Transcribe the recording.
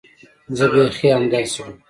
زه بيخي همداسې وم.